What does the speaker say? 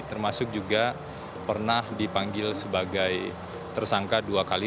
termasuk juga pernah dipanggil sebagai tersangka dua kali